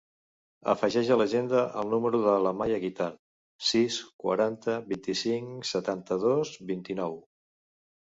Afegeix a l'agenda el número de l'Amaya Guitart: sis, quaranta, vint-i-cinc, setanta-dos, vint-i-nou.